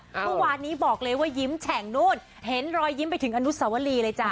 ทุกวานนี้บอกเลยว่ายิ้มแฉ่งนู่นหร่อยิ้มไปถึงอนุทสวรีเลยจ้ะ